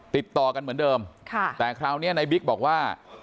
ติดต่อกันเหมือนเดิมค่ะแต่คราวนี้ในบิ๊กบอกว่า